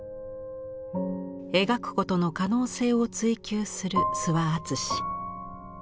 描くことの可能性を追求する諏訪敦。